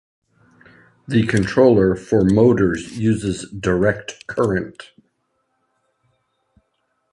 The controller for motors uses direct current.